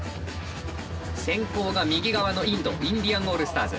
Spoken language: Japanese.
先攻が右側のインドインディアン・オールスターズ。